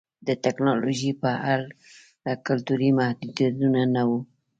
د ټکنالوژۍ په اړه کلتوري محدودیتونه نه وو